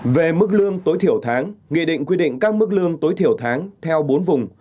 về mức lương tối thiểu tháng nghị định quy định các mức lương tối thiểu tháng theo bốn vùng